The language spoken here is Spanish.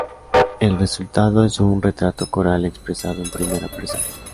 El resultado es un retrato coral expresado en primera persona.